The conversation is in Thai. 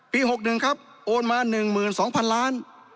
๖๑ครับโอนมา๑๒๐๐๐ล้าน